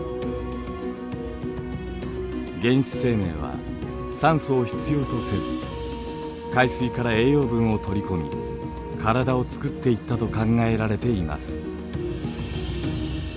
原始生命は酸素を必要とせず海水から栄養分を取り込み体をつくっていったと考えられています。